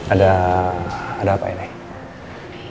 ada ada apa ya nek